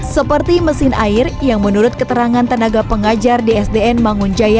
seperti mesin air yang menurut keterangan tenaga pengajar di sdn mangunjaya